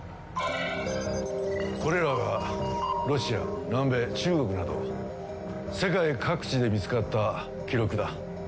これらはロシア南米中国など世界各地で見つかった記録だ。